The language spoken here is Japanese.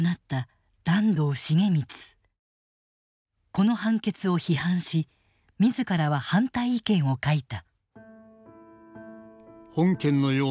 この判決を批判し自らは反対意見を書いた。